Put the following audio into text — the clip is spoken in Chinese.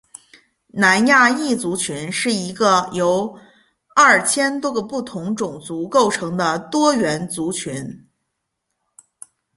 南亚裔族群是一个由二千多个不同种族构成的多元族群。